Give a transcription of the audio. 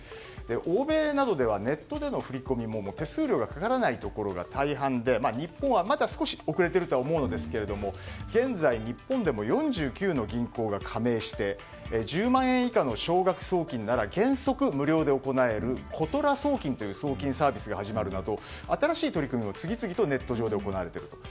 欧米などではネットでの振り込みも手数料がかからないところが大半で日本はまだ少し遅れているとは思うんですが現在、日本でも４９の銀行が加盟して１０万円以下の少額送金なら原則無料で行えることら送金という送金サービスが始まるなど新しい取り組みを次々とネット上で行われていると。